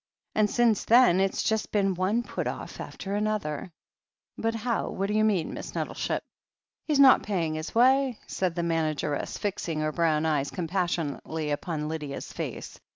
And since then it's just been one put off after another." 'But how — what do you mean, Miss Nettleship ?" 'He's not paying his way," said the manageress, fixing her brown eyes compassionately upon Lydia's face.